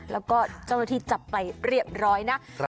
แล้วก็เจ้าหน้าที่จับไปเรียบร้อยนะ